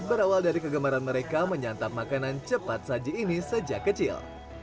berawal dari kegemaran mereka menyantap makanan cepat saji ini sejak kecil